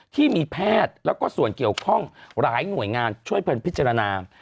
ที่มีแพทย์แล้วก็ส่วนเกี่ยวข้องหลายหน่วยงานช่วยเป็นพิจารณา